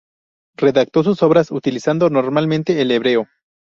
Redactó sus obras utilizando normalmente el hebreo.